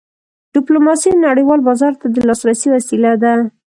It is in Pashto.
ډیپلوماسي نړیوال بازار ته د لاسرسي وسیله ده.